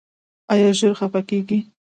ایا ژر خفه کیږئ؟